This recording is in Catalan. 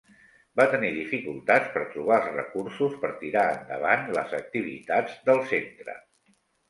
Va tenir dificultats per trobar els recursos per tirar endavant les activitats del centre.